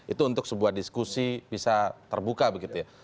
itu untuk sebuah diskusi bisa terbuka begitu ya